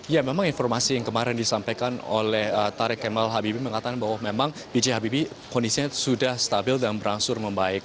ya memang informasi yang kemarin disampaikan oleh tarik kemal habibie mengatakan bahwa memang b j habibie kondisinya sudah stabil dan berangsur membaik